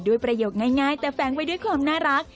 ประโยคง่ายแต่แฟ้งไว้ด้วยความน่ารัก